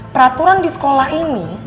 peraturan di sekolah ini